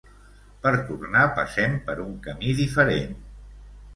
Per tornar passem per un camí diferent.